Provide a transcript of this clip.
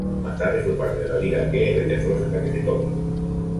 Más tarde fue parte de la Liga Aquea y rechazó los ataques etolios.